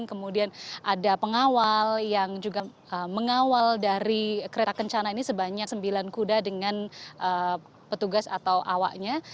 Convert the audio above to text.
kemudian ada pengawal yang juga mengawal dari kereta kencana ini sebanyak sembilan kuda dengan petugas atau awaknya